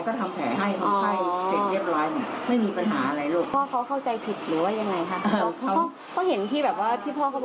ข้างในก็ทำแผลให้ของไส้เสียงเลียดร้ายเนี่ย